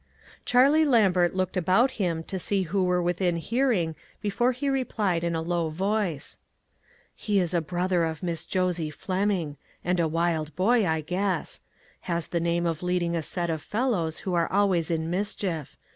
Charlie Lambert looked about him to see who were within hearing before he replied in a low voice : 134 ONE COMMONPLACE DAY. "He is a brother of Miss Josie Fleming; and a wild boy, I guess. Has the name of leading a set of fellows who are always in mischief.